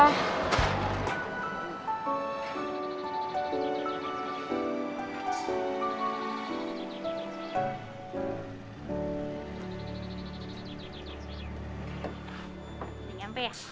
udah nyampe ya